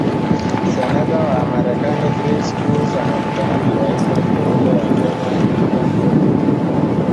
Seneta wa Marekani Chris Coons amekutana na rais mteule wa Kenya William Ruto